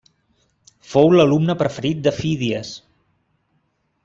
Fou l'alumne preferit de Fídies.